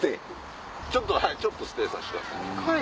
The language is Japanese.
ちょっとステイさせてください。